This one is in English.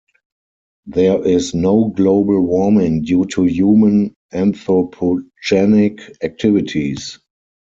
There is no global warming due to human anthropogenic activities.